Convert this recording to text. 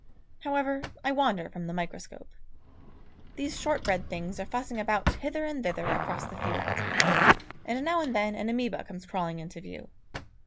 However, I wander from the microscope. These shortbread things are fussing about hither and thither across the field, and now and then an amoeba comes crawling into view.